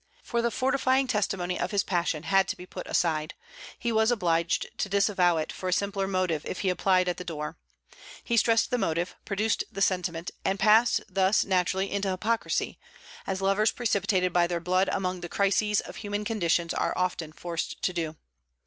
For the fortifying testimony of his passion had to be put aside, he was obliged to disavow it for a simpler motive if he applied at the door. He stressed the motive, produced the sentiment, and passed thus naturally into hypocrisy, as lovers precipitated by their blood among the crises of human conditions are often forced to do.